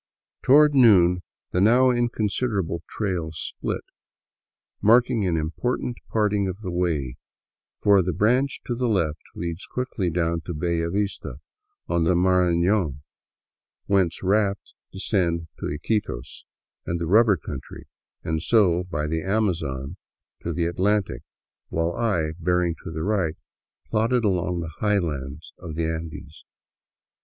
Toward noon the now considerable trail split, marking an important parting of the way ; for the branch to the left leads quickly down to Bellavista on the bank of the Marafion, whence rafts descend to Iquitos and the rubber country, and so by the Amazon to the At lantic, while I, bearing to the right, plodded on along the highlands of the Andes.